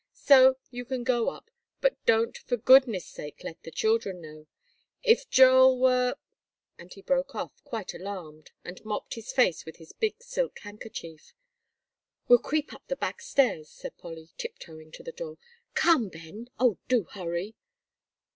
"So you can go up, but don't for goodness' sake let the children know. If Joel were " and he broke off, quite alarmed, and mopped his face with his big silk handkerchief. "We'll creep up the back stairs," said Polly, tiptoeing to the door. "Come, Ben. Oh, do hurry!"